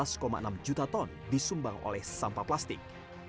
dan sekitar sebelas enam juta ton disumbang oleh sampah plastik